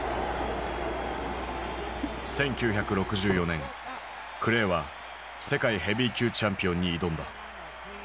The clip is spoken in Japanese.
１９６４年クレイは世界ヘビー級チャンピオンに挑んだ。